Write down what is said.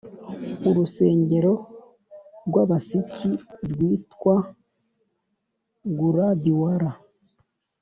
urusengero rw’abasiki rwitwa gurdwara.